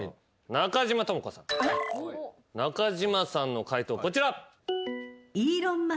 中島さんの解答こちら。